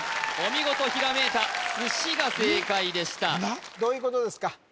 見事ひらめいたすしが正解でしたどういうことですか？